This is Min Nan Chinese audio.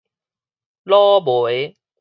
老梅